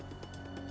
untuk lebih aman